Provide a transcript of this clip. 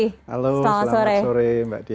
halo selamat sore mbak dia